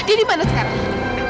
dia dimana sekarang